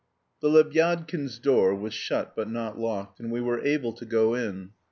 The Lebyadkins' door was shut but not locked, and we were able to go in.